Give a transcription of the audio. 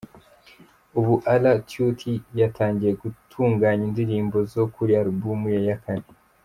Ubu R Tuty yatangiye gutunganya indirimbo zo kuri Album ye ya kane.